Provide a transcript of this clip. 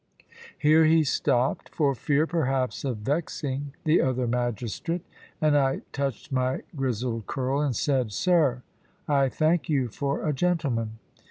Here he stopped, for fear perhaps of vexing the other magistrate; and I touched my grizzled curl and said, "Sir, I thank you for a gentleman."